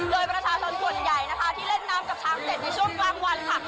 โดยประชาชนส่วนใหญ่นะคะที่เล่นน้ำกับช้างเสร็จในช่วงกลางวันค่ะ